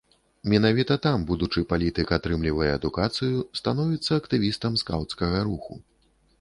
Менавіта там будучы палітык атрымлівае адукацыю, становіцца актывістам скаўцкага руху.